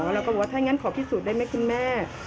เราก็บอกว่าถ้างั้นขอพิสูจน์ได้ไหมคุณแม่